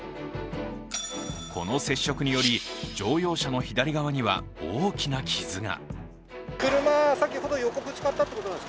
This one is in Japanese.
この接触により、乗用車の左側には大きな傷が。